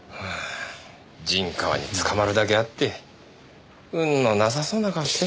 陣川に捕まるだけあって運のなさそうな顔してるね。